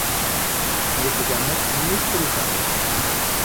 Il est également Ministre d'État.